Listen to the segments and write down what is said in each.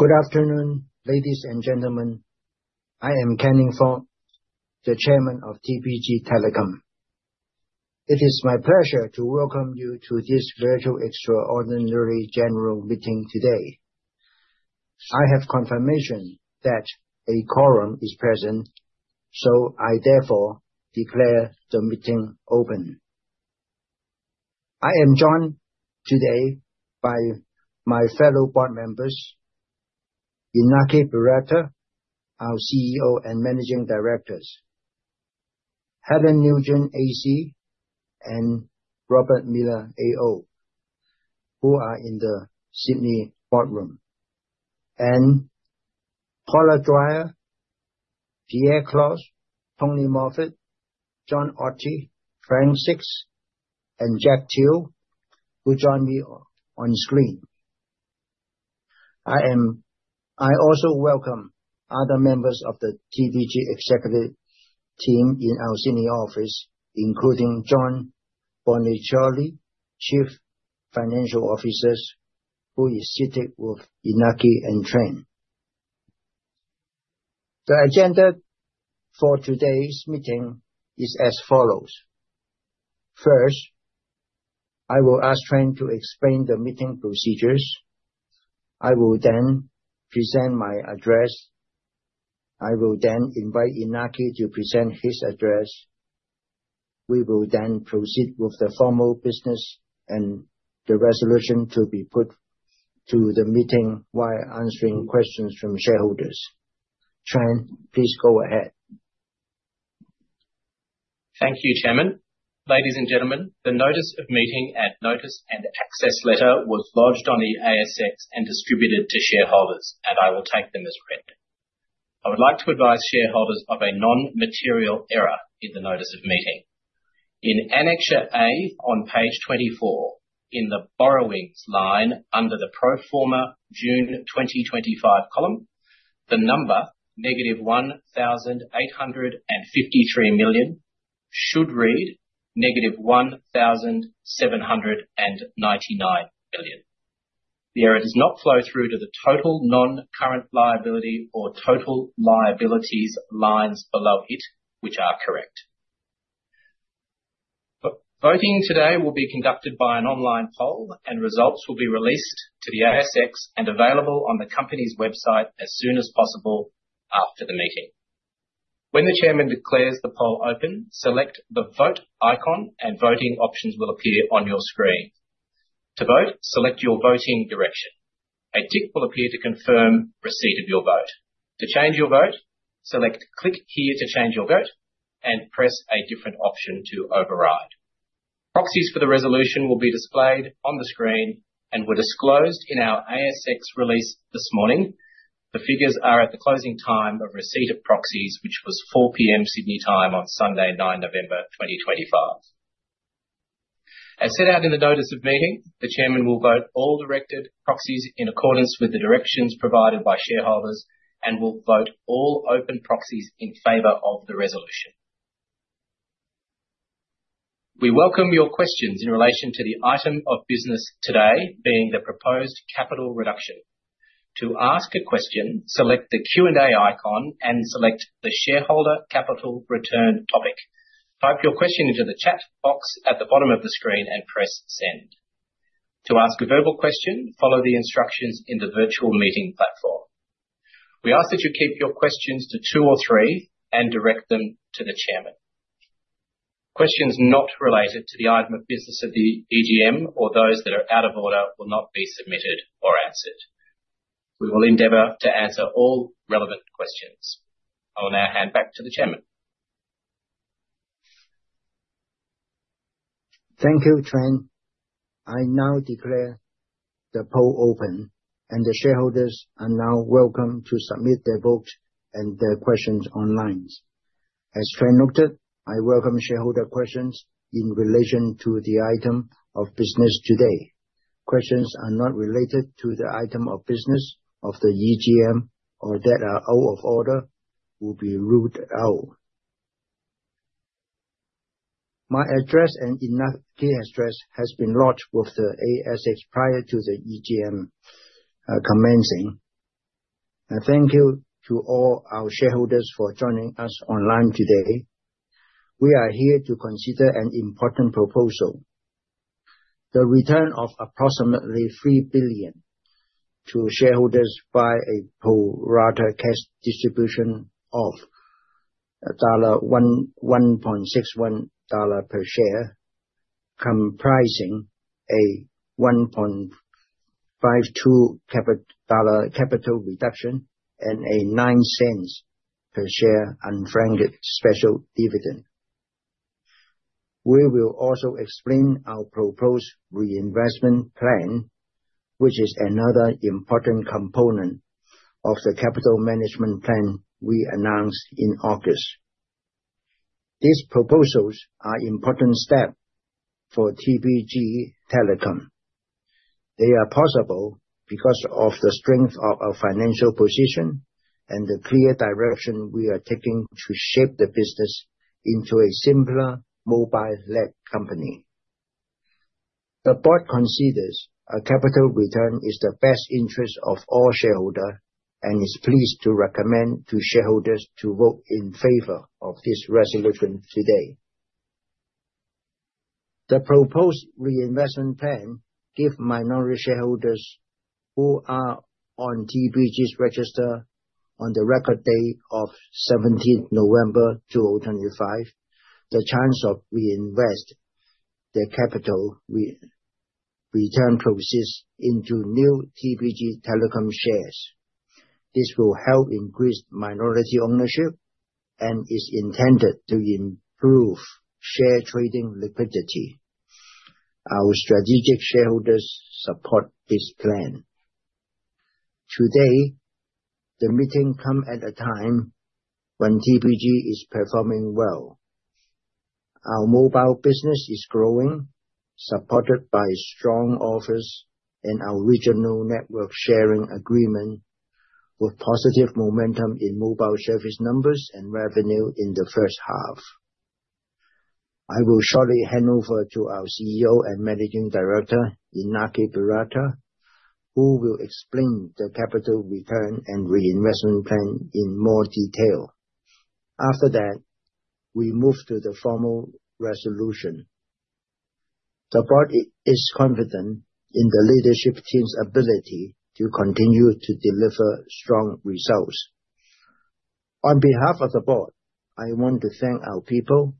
Good afternoon, ladies and gentlemen. I am Canning Fok, the Chairman of TPG Telecom. It is my pleasure to welcome you to this virtual Extraordinary General Meeting today. I have confirmation that a quorum is present, so I therefore declare the meeting open. I am joined today by my fellow Board members, Iñaki Berroeta, our CEO and Managing Directors, Helen Nugent, AC, and Robert Millner, AO, who are in the Sydney Boardroom, and Paula Dwyer, Pierre Klotz, Tony Moffatt, John Otty, Frank Sixt, and Jack Teoh, who join me on screen. I also welcome other members of the TPG executive team in our Sydney office, including John Boniciolli, Chief Financial Officer, who is seated with Iñaki and Trent. The agenda for today's meeting is as follows. First, I will ask Trent to explain the meeting procedures. I will then present my address. I will then invite Iñaki to present his address. We will then proceed with the formal business and the resolution to be put to the meeting while answering questions from shareholders. Trent, please go ahead. Thank you, Chairman. Ladies and gentlemen, the Notice of Meeting and Notice and Access Letter was lodged on the ASX and distributed to shareholders, and I will take them as read. I would like to advise shareholders of a non-material error in the Notice of Meeting. In Annexure A on page 24, in the borrowings line under the pro forma June 2025 column, the number -1,853 million should read -1,799 million. The error does not flow through to the total non-current liability or total liabilities lines below it, which are correct. Voting today will be conducted by an online poll, and results will be released to the ASX and available on the company's website as soon as possible after the meeting. When the Chairman declares the poll open, select the vote icon, and voting options will appear on your screen. To vote, select your voting direction. A tick will appear to confirm receipt of your vote. To change your vote, select, click here to change your vote and press a different option to override. Proxies for the resolution will be displayed on the screen and were disclosed in our ASX release this morning. The figures are at the closing time of receipt of proxies, which was 4:00 P.M. Sydney time on Sunday, 9 November 2025. As set out in the Notice of Meeting, the Chairman will vote all directed proxies in accordance with the directions provided by shareholders and will vote all open proxies in favor of the resolution. We welcome your questions in relation to the item of business today being the proposed capital reduction. To ask a question, select the Q&A icon and select the Shareholder Capital Return topic. Type your question into the chat box at the bottom of the screen and press send. To ask a verbal question, follow the instructions in the virtual meeting platform. We ask that you keep your questions to two or three and direct them to the Chairman. Questions not related to the item of business of the EGM or those that are out of order will not be submitted or answered. We will endeavor to answer all relevant questions. I will now hand back to the Chairman. Thank you, Trent. I now declare the poll open, and the shareholders are now welcome to submit their vote and their questions online. As Trent noted, I welcome shareholder questions in relation to the item of business today. Questions that are not related to the item of business of the EGM or that are out of order will be ruled out. My address and Iñaki's address have been lodged with the ASX prior to the EGM commencing. Thank you to all our shareholders for joining us online today. We are here to consider an important proposal: the return of approximately 3 billion to shareholders by a pro rata cash distribution of 1.61 dollar per share, comprising a 1.52 dollar capital reduction and a 0.09 per share unfranked special dividend. We will also explain our proposed Reinvestment Plan, which is another important component of the capital management plan we announced in August. These proposals are important steps for TPG Telecom. They are possible because of the strength of our financial position and the clear direction we are taking to shape the business into a simpler mobile-led company. The Board considers a capital return is the best interest of all shareholders and is pleased to recommend to shareholders to vote in favor of this resolution today. The proposed Reinvestment Plan gives minority shareholders who are on TPG's register on the Record Date of 17th November 2025 the chance of reinvesting their capital return proceeds into new TPG Telecom shares. This will help increase minority ownership and is intended to improve share trading liquidity. Our strategic shareholders support this plan. Today, the meeting comes at a time when TPG is performing well. Our mobile business is growing, supported by strong offers and our regional network sharing agreement, with positive momentum in mobile service numbers and revenue in the first half. I will shortly hand over to our CEO and Managing Director, Iñaki Berroeta, who will explain the capital return and Reinvestment Plan in more detail. After that, we move to the formal resolution. The Board is confident in the leadership team's ability to continue to deliver strong results. On behalf of the Board, I want to thank our people,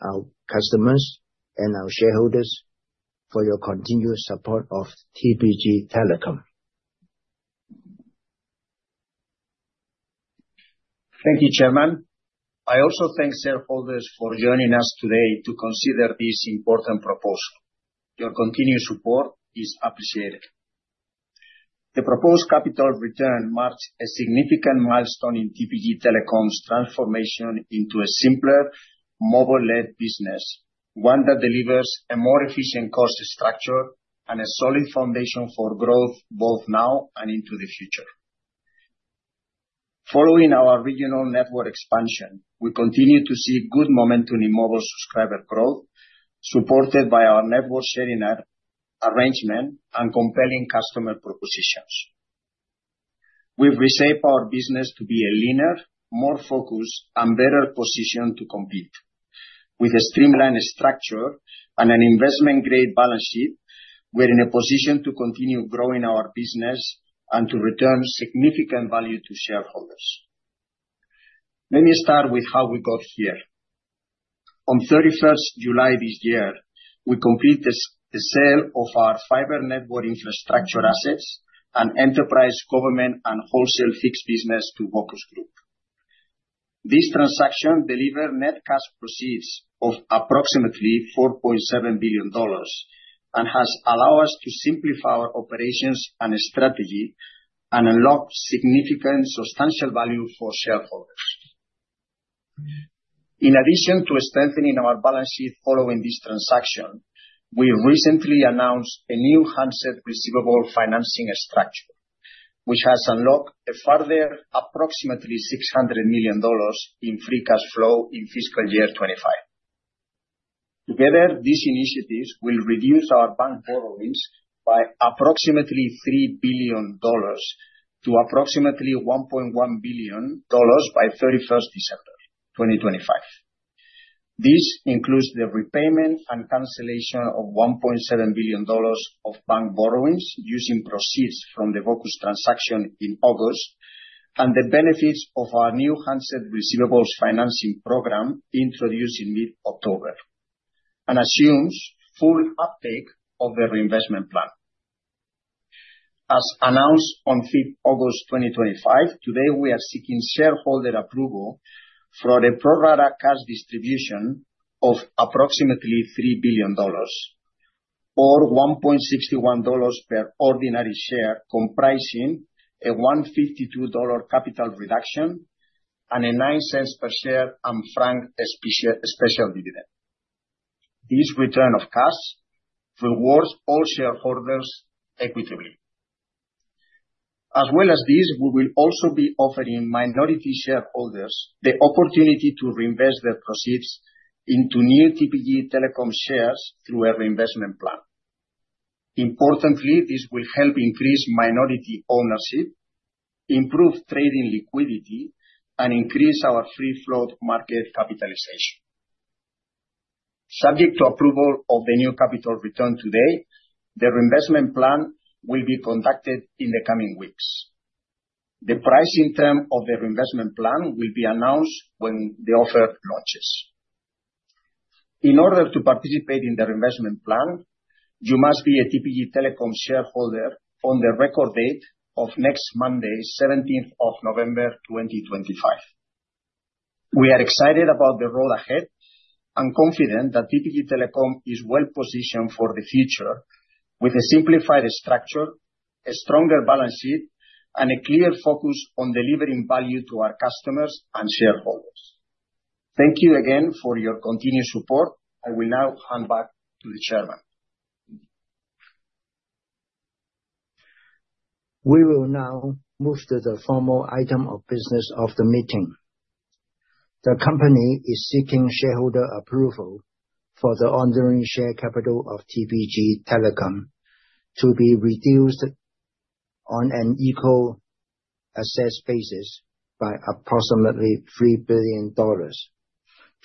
our customers, and our shareholders for your continued support of TPG Telecom. Thank you, Chairman. I also thank shareholders for joining us today to consider this important proposal. Your continued support is appreciated. The proposed capital return marks a significant milestone in TPG Telecom's transformation into a simpler mobile-led business, one that delivers a more efficient cost structure and a solid foundation for growth both now and into the future. Following our regional network expansion, we continue to see good momentum in mobile subscriber growth, supported by our network sharing arrangement and compelling customer propositions. We've reshaped our business to be a leaner, more focused, and better positioned to compete. With a streamlined structure and an investment-grade balance sheet, we're in a position to continue growing our business and to return significant value to shareholders. Let me start with how we got here. On 31st July this year, we completed the sale of our fibre network infrastructure assets and enterprise government and wholesale fixed business to Vocus Group. This transaction delivered net cash proceeds of approximately 4.7 billion dollars and has allowed us to simplify our operations and strategy and unlock significant substantial value for shareholders. In addition to strengthening our balance sheet following this transaction, we recently announced a new handset receivables financing structure, which has unlocked a further approximately 600 million dollars in free cash flow in fiscal year 2025. Together, this initiative will reduce our bank borrowings by approximately 3 billion dollars to approximately 1.1 billion dollars by 31st December 2025. This includes the repayment and cancellation of 1.7 billion dollars of bank borrowings using proceeds from the Vocus transaction in August and the benefits of our new handset receivables financing program introduced in mid-October and assumes full uptake of the Reinvestment Plan. As announced on 5th August 2025, today we are seeking shareholder approval for a pro rata cash distribution of approximately 3 billion dollars, or 1.61 dollars per ordinary share, comprising a 1.52 dollar capital reduction and a 0.09 per share unfranked special dividend. This return of cash rewards all shareholders equitably. As well as this, we will also be offering minority shareholders the opportunity to reinvest their proceeds into new TPG Telecom shares through a Reinvestment Plan. Importantly, this will help increase minority ownership, improve trading liquidity, and increase our free float market capitalisation. Subject to approval of the new capital return today, the Reinvestment Plan will be conducted in the coming weeks. The pricing term of the Reinvestment Plan will be announced when the offer launches. In order to participate in the Reinvestment Plan, you must be a TPG Telecom shareholder on the Record Date of next Monday, 17th of November 2025. We are excited about the road ahead and confident that TPG Telecom is well positioned for the future with a simplified structure, a stronger balance sheet, and a clear focus on delivering value to our customers and shareholders. Thank you again for your continued support. I will now hand back to the Chairman. We will now move to the formal item of business of the meeting. The company is seeking shareholder approval for the ordinary share capital of TPG Telecom to be reduced on an equal basis by approximately 3 billion dollars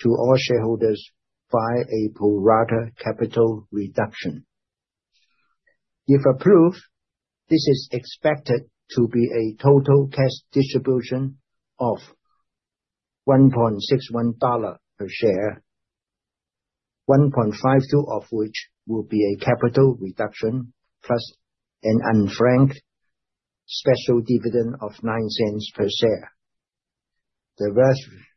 to all shareholders via a pro rata capital reduction. If approved, this is expected to be a total cash distribution of 1.61 dollar per share, 1.52 of which will be a capital reduction plus an unfranked special dividend of 0.09 per share. The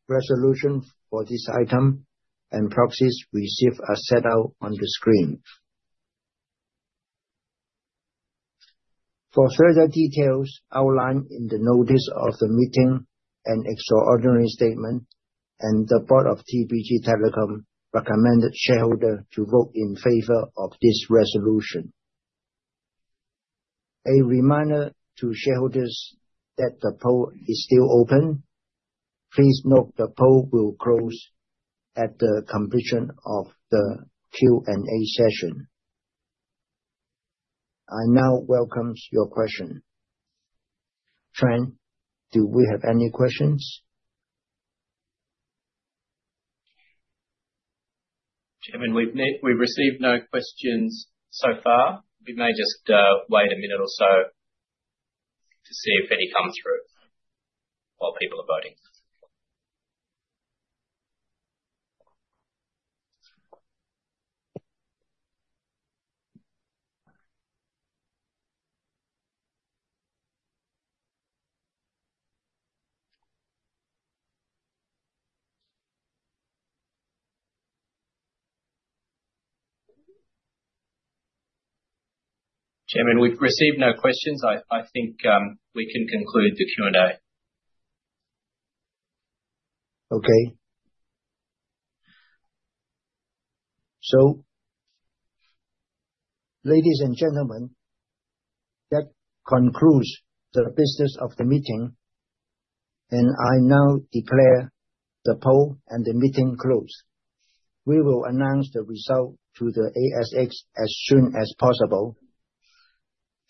resolution for this item and proxies received are set out on the screen. For further details outlined in the Notice of Meeting and Explanatory Statement, the Board of TPG Telecom recommended shareholders to vote in favor of this resolution. A reminder to shareholders that the poll is still open. Please note the poll will close at the completion of the Q&A session. I now welcome your question. Trent, do we have any questions? Chairman, we've received no questions so far. We may just wait a minute or so to see if any come through while people are voting. Chairman, we've received no questions. I think we can conclude the Q&A. Okay. So, ladies and gentlemen, that concludes the business of the meeting, and I now declare the poll and the meeting closed. We will announce the result to the ASX as soon as possible.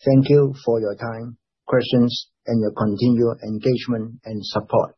Thank you for your time, questions, and your continued engagement and support.